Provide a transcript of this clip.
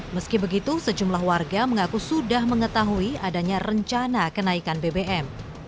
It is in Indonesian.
meski begitu sejumlah warga mengaku sudah mengetahui adanya rencana kenaikan bbm